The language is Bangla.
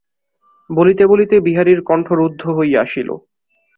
বলিতে বলিতে বিহারীর কণ্ঠ রুদ্ধ হইয়া আসিল।